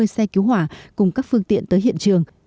hai mươi xe cứu hỏa cùng các phương tiện tới hiện trường